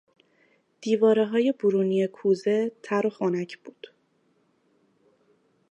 دیوارهی برونی کوزه تر و خنک بود.